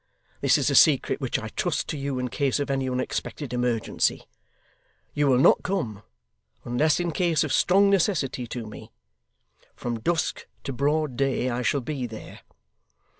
This is a secret which I trust to you in case of any unexpected emergency. You will not come, unless in case of strong necessity, to me; from dusk to broad day I shall be there.